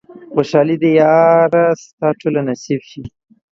خوشحالۍ دې ياره ستا ټولې نصيب شي